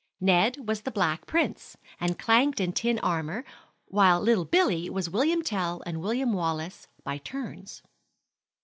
Ned was the Black Prince, and clanked in tin armor, while little Billy was William Tell and William Wallace by turns.